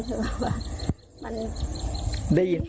คือว่ามัน